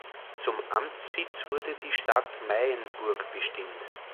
Zum Amtssitz wurde die Stadt Meyenburg bestimmt.